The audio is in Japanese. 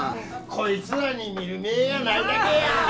こいつらに見る目ぇがないだけや！